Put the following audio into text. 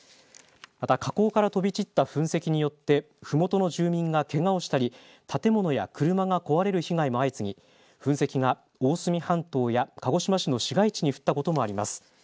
また火口から飛び散った噴石によって、ふもとの住民がけがをしたり建物や車が壊れる被害も相次ぎ、噴石が大隅半島や鹿児島市の市街地に降ったこともあります。